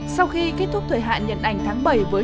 sau khi kết thúc thời hạn nhận ảnh tháng bảy với chúng tôi